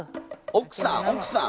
奥さん奥さん！